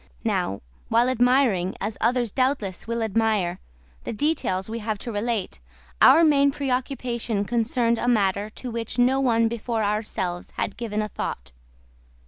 Now, while admiring, as others doubtless will admire, the details we have to relate, our main preoccupation concerned a matter to which no one before ourselves had given a thought.